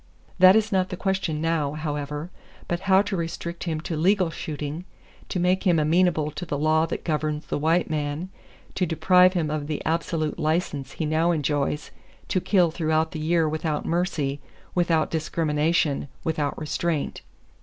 That is not the question now, however, but how to restrict him to legal shooting, to make him amenable to the law that governs the white man, to deprive him of the absolute license he now enjoys to kill throughout the year without mercy, without discrimination, without restraint.